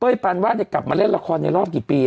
เป้ยปานว่าจะกลับมาเล่นละครในรอบกี่ปีอ่ะ